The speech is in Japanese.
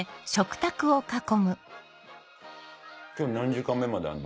今日何時間目まであるの？